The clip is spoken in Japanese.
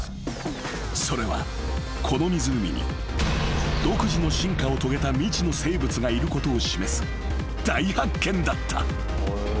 ［それはこの湖に独自の進化を遂げた未知の生物がいることを示す大発見だった］